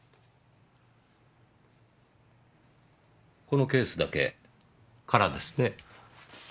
このケースだけ空ですね。